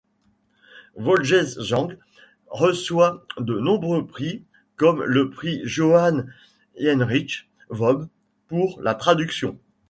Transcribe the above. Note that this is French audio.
Vogelgsang reçoit de nombreux prix comme le Prix Johann Heinrich Voß pour la traduction.